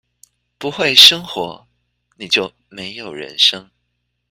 不會生活，你就沒有人生